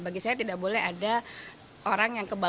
bagi saya tidak boleh ada orang yang kebal